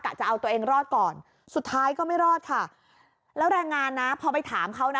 จะเอาตัวเองรอดก่อนสุดท้ายก็ไม่รอดค่ะแล้วแรงงานนะพอไปถามเขานะ